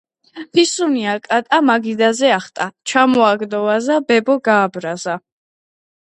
ფისუნია კატა მაგიდაზე ახტა ჩამოაგდო ვაზა ბებო გააბრაზა